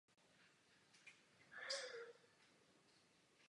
Jde o otevřený software vyráběný neziskovou organizací Electronic Frontier Foundation.